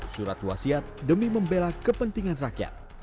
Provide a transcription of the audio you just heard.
surat wasiat demi membela kepentingan rakyat